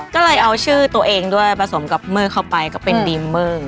ก็เลยเอาชื่อตัวเองด้วยผสมกับเมอร์เข้าไปก็เป็นดีมเมอร์